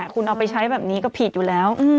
คุณเอาไปใช้แบบนี้ก็ผิดอยู่แล้ว